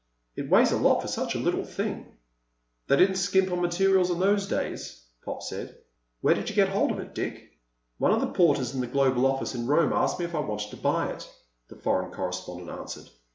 It weighs a lot for such a little thing." "They didn't skimp on materials in those days," Pop said. "Where'd you get hold of it, Dick?" "One of the porters in the Global office in Rome asked me if I wanted to buy it," the foreign correspondent answered.